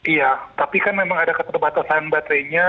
iya tapi kan memang ada keterbatasan baterainya